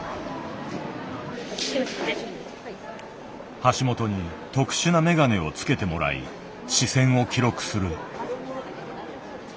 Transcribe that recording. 橋本に特殊なメガネをつけてもらい視線を記録する。